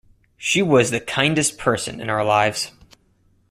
She was the kindest person in our lives.